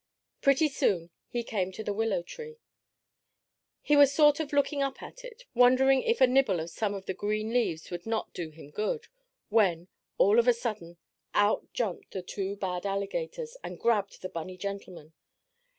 Pretty soon he came to the willow tree. He was sort of looking up at it, wondering if a nibble of some of the green leaves would not do him good, when, all of a sudden, out jumped the two bad alligators and grabbed the bunny gentleman.